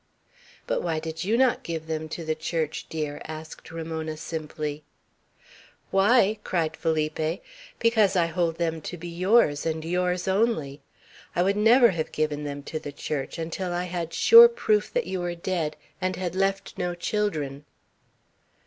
"But why did you not give them to the Church, dear?" asked Ramona, simply. "Why?" cried Felipe. "Because I hold them to be yours, and yours only. I would never have given them to the Church, until I had sure proof that you were dead and had left no children."